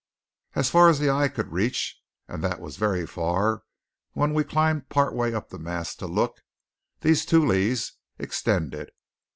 As far as the eye could reach, and that was very far when we climbed part way up the mast to look, these tules extended.